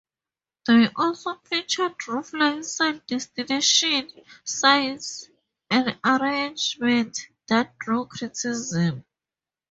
They also featured roofline side destination signs, an arrangement that drew criticism.